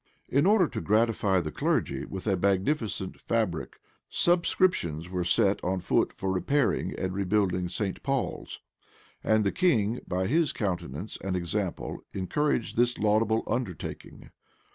{1631.} In order to gratify the clergy with a magnificent fabric, subscriptions were set on foot for repairing and rebuilding St. Paul's; and the king, by his countenance and example, encouraged this laudable undertaking.